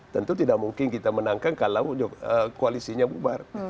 tentu tidak mungkin kita menangkan kalau koalisinya bubar